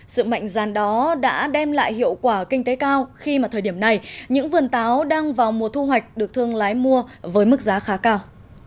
sự mạnh gian đó đã đem lại hiệu quả kinh tế cao khi mà thời điểm này những vườn táo đang vào mùa thu hoạch được thương lái mua với mức giá khá cao